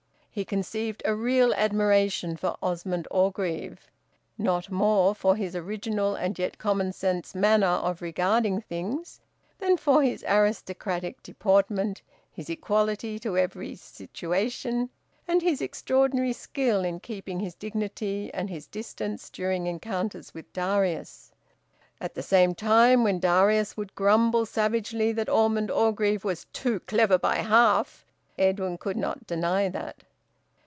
He conceived a real admiration for Osmond Orgreave; not more for his original and yet common sense manner of regarding things, than for his aristocratic deportment, his equality to every situation, and his extraordinary skill in keeping his dignity and his distance during encounters with Darius. (At the same time, when Darius would grumble savagely that Osmond Orgreave `was too clever by half,' Edwin could not deny that.)